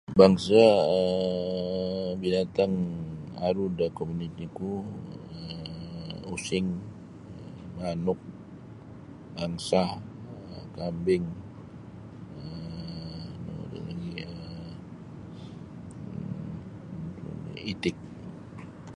Bangsa um binatang aru da komuniti ku um using manuk angsa kambing um nunu ri lagi um itik.